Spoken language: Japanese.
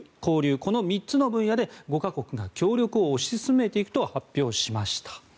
この３つの分野で５か国が協力を推し進めていくと発表しました。